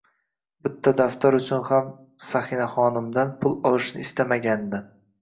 Bitta daftar uchun ham Sanihaxonimdan pul olishni istamaganidan